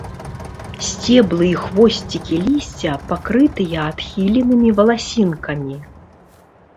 Сцеблы і хвосцікі лісця пакрытыя адхіленымі валасінкамі.